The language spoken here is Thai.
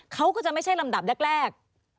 เขาก็จะไม่ใช่ลำดับแรก